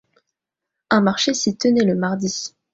Un marché s'y tenait le mardi.